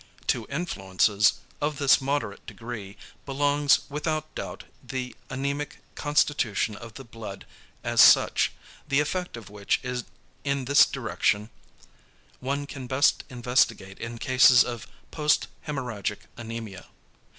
To influences, of this moderate degree, belongs without doubt the anæmic constitution of the blood as such, the effect of which in this direction one can best investigate in cases of posthæmorrhagic anæmia.